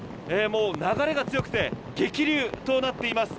流れが強くて激流となっています。